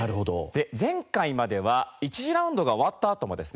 前回までは１次ラウンドが終わったあともですね